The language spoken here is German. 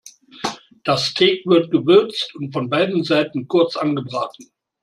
Das Steak wird gewürzt und von beiden Seiten kurz angebraten.